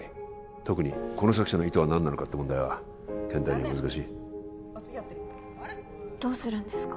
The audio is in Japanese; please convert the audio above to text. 特に「この作者の意図は何なのか」って問題は健太には難しいどうするんですか？